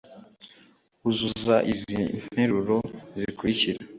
uzuza izi interuro zikurikira